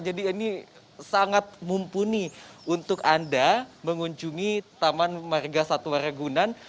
jadi ini sangat mumpuni untuk anda mengunjungi taman warga suat raya ragunan